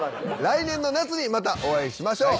来年の夏にまたお会いしましょう。